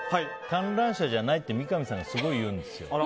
観覧車じゃないって三上さんがすごい言うんですよ。